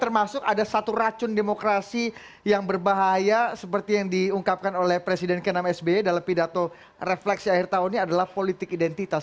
termasuk ada satu racun demokrasi yang berbahaya seperti yang diungkapkan oleh presiden ke enam sby dalam pidato refleksi akhir tahun ini adalah politik identitas